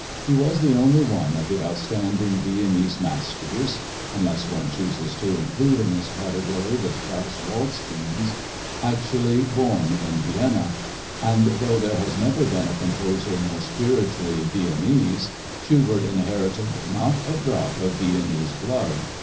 He was the only one of the outstanding Viennese masters (unless one chooses to include in this category the Strauss waltz kings) actually born in Vienna; and, though there has never been a composer more spiritually Viennese, Schubert inherited not a drop of Viennese blood.